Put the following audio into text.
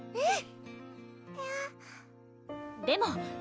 うん！